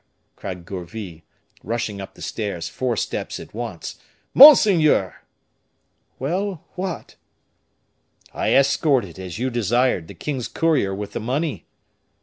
cried Gourville, rushing up the stairs, four steps at once. "Monseigneur!" "Well! what?" "I escorted, as you desired, the king's courier with the money."